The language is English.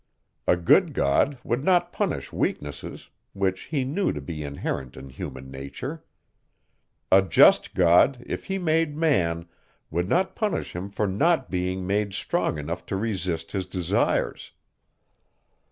A good God would not punish weaknesses, which he knew to be inherent in human nature. A just God, if he made man, would not punish him for not being made strong enough to resist his desires.